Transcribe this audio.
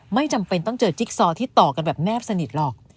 ไม่จำเป็นต้องเจอจิ๊กซอที่ต่อกันแบบแนบสนิทหรอก